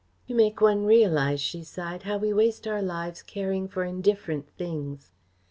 "You make one realise," she sighed, "how we waste our lives caring for indifferent things."